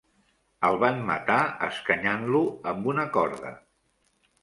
El van matar escanyant-lo amb una corda.